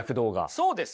そうです。